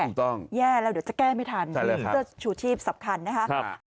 ต้องแย่แล้วเดี๋ยวจะแก้ไม่ทันเสื้อชูชีพสำคัญนะครับ